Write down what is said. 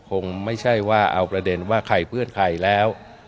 คงไม่ใช่ว่าเอาประเด็นว่าใครเพื่อนใครแล้ว